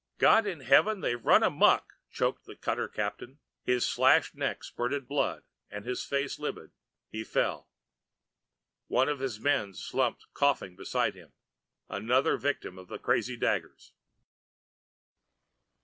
"God in heaven, they're running amok!" choked the cutter captain. His slashed neck spurting blood and his face livid, he fell. One of his men slumped coughing beside him, another victim of the crazy daggers.